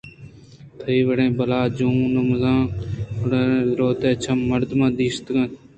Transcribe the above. تئی وڑیں بلاہ جون ءُ مزن گلّڑیں دلوتے ءَ چم مردماں داشتگ اَنت